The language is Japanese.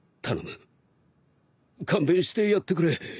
勘弁してやってくれ。